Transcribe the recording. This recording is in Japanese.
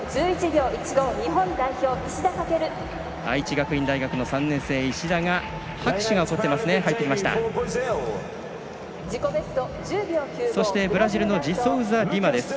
愛知学院大学の３年生石田が拍手が起こりましたね。